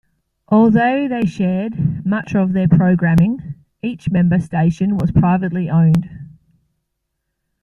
Although they shared much of their programming, each member station was privately owned.